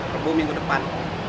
rebuh minggu depan